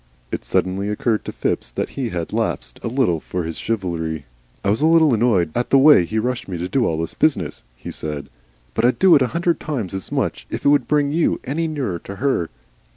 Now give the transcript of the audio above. It suddenly occurred to Phipps that he had lapsed a little from his chivalry. "I was a little annoyed at the way he rushed me to do all this business," he said. "But I'd do a hundred times as much if it would bring you any nearer to her."